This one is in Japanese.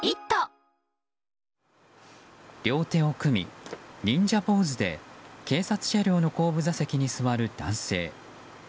両手を組み忍者ポーズで警察車両の後部座席に座る男性。